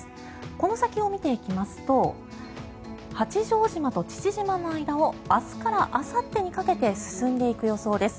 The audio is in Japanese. この先を見ていきますと八丈島と父島の間を明日からあさってにかけて進んでいく予想です。